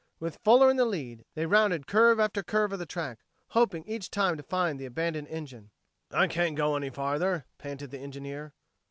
With Fuller in the lead, they rounded curve after curve of the track, hoping each time to find the abandoned engine. "I can't go any farther," panted the engineer.